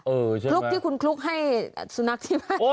เออใช่มั้ยคลุกที่คุณคลุกให้สุนักที่มา